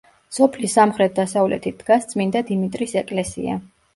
სოფლის სამხრეთ-დასავლეთით დგას წმინდა დიმიტრის ეკლესია.